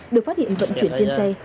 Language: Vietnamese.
được phát hiện vận chuyển trên xe